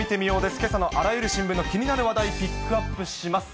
けさのあらゆる新聞の気になる話題、ピックアップします。